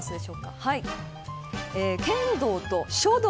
剣道と書道。